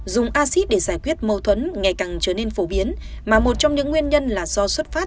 dùng acid để giải quyết mâu thuẫn ngày càng trở nên phổ biến mà một trong những nguyên nhân là do xuất phát